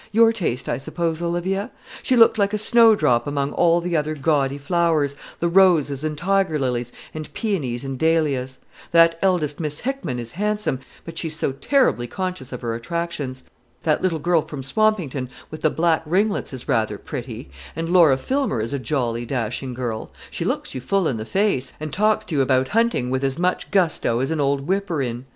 Your taste, I suppose, Olivia? She looked like a snow drop among all the other gaudy flowers, the roses and tiger lilies, and peonies and dahlias. That eldest Miss Hickman is handsome, but she's so terribly conscious of her attractions. That little girl from Swampington with the black ringlets is rather pretty; and Laura Filmer is a jolly, dashing girl; she looks you full in the face, and talks to you about hunting with as much gusto as an old whipper in.